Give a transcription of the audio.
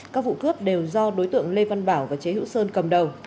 các vụ cướp đều do đối tượng lê văn bảo và chế hữu sơn cầm đầu